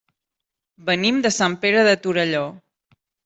Venim de Sant Pere de Torelló.